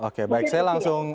oke baik saya langsung